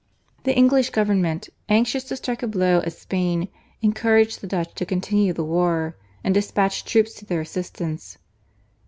The English Government anxious to strike a blow at Spain encouraged the Dutch to continue the war, and despatched troops to their assistance.